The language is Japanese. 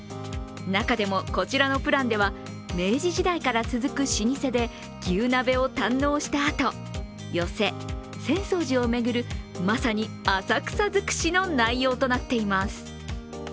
中でも、こちらのプランでは明治時代から続く老舗で牛鍋を堪能したあと、寄席、浅草寺を巡るまさに浅草尽くしの内容となっています。